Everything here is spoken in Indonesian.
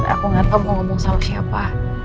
aku gak tau mau ngomong sama siapa